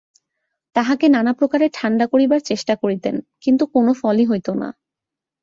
তাহাকে নানাপ্রকারে ঠাণ্ডা করিবার চেষ্টা করিতেন, কিন্তু কোনো ফলই হইত না।